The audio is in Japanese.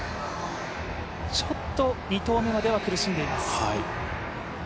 ちょっと２投目までは苦しんでいます。